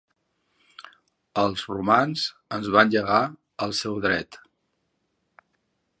Els romans ens van llegar el seu dret.